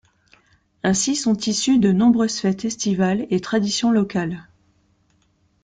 Ainsi sont issues de nombreuses fêtes estivales et traditions locales.